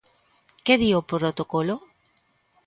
Que di o protocolo?